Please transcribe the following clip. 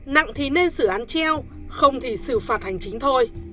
nặng thì nên xử án treo không thì xử phạt hành chính thôi